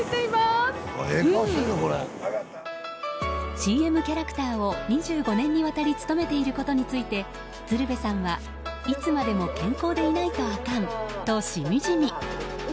ＣＭキャラクターを２５年にわたり務めていることについて鶴瓶さんは、いつまでも健康でいないとあかんとしみじみ。